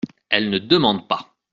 Elle ne demande pas.